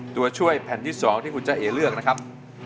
ตัวช่วยแผ่นที่๒ที่คุณจ้าเอเลือกนะครับ